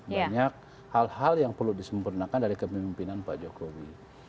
banyak hal hal yang perlu disempurnakan dari kepemimpinan pak jokowi